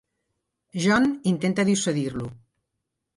John intenta dissuadir-lo.